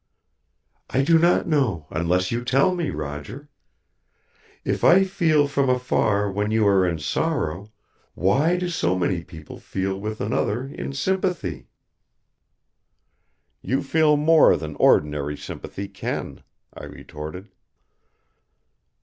"I do not know unless you tell me, Roger. If I feel from afar when you are in sorrow, why, so do many people feel with another in sympathy." "You feel more than ordinary sympathy can," I retorted.